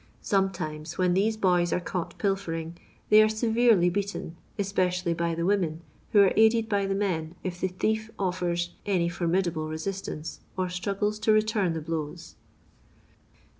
Sometimes when these boys are caught pilfering, they are severely beaten, espeeially by the women, who are aided by the men, if the thief oflers any formidable re sistanee^ or struggles to return the blows.